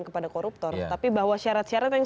kepada koruptor tapi bahwa syarat syarat yang